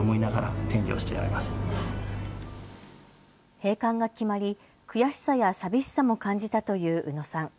閉館が決まり悔しさや寂しさも感じたという宇野さん。